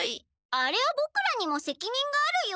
あれはボクらにもせきにんがあるよ。